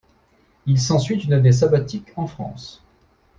Il s'ensuit une année sabbatique en France.